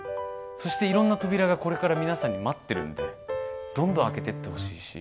そしていろんな扉がこれから皆さんに待ってるのでどんどん開けてってほしいし。